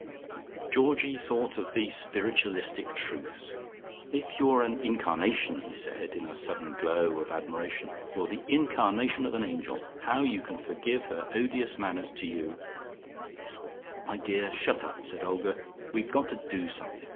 Georgie thought of the spiritualistic truths. "If you're an incarnation," he said in a sudden glow of admiration, "you're the incarnation of an angel. How you can forgive her odious manners to you " "My dear, shut up," said Olga. "We've got to do something.